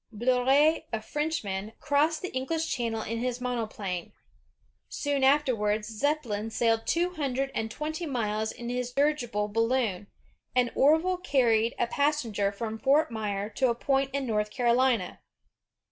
Bleriot, a Frenchman, crossed the EngUsh Channel in his monoplane. Soon after wards, Zeppelin sailed twohimdred and twenty miles in his dirigible balloon, and Orville Wright carried a pas senger from Fort Myer to a point in North Carolina.